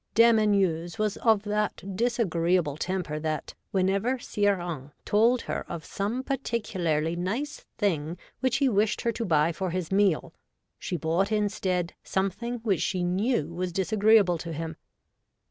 Dame Anieuse was of that disagreeable temper that, when ever Sire Hains told her of some particularly nice thing which he wished her to buy for his meal, she bought instead something which she ■ knew was disagreeable to him.